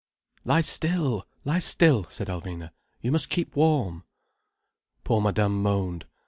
"Lie still, lie still," said Alvina. "You must keep warm." Poor Madame moaned.